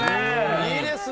いいですね。